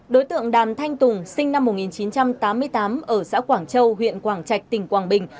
đối tượng đàn thanh tùng sinh năm một nghìn chín trăm tám mươi tám ở xã quảng châu huyện quảng trạch tỉnh quảng bình